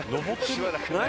何？